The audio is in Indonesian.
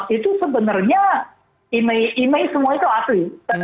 itu sebenarnya email semua itu asli